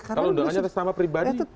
kalau doanya tersama pribadi